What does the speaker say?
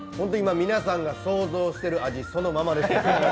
皆さんが想像している味、そのままです。